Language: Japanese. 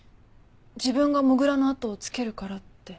自分が土竜の後をつけるからって。